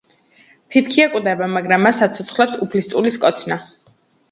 ფიფქია კვდება, მაგრამ მას აცოცხლებს უფლისწულის კოცნა.